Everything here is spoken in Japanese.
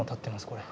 これ。